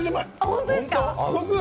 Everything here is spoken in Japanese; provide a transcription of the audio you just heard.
本当？